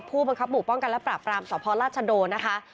ผู้บังคับหมู่ป้องกันและปราบรามสพราชโดนะคะ